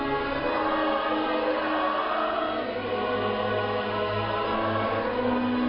อิเวร์อาเมนอาเมน